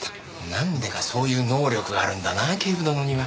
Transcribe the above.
なんでかそういう能力があるんだな警部殿には。